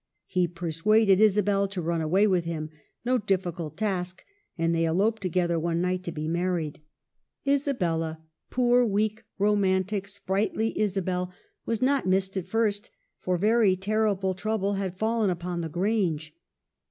He persuaded Isabel to run away with him — no difficult task — and they eloped together one night to be married. Isabella — poor, weak, romantic, sprightly Isa bel — was not missed at first ; for very terrible trouble had fallen upon the Grange.